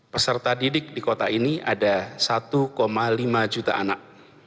peserta didik di kota ini ada satu lima juta anak